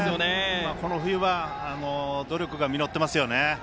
この冬場の努力が実っていますね。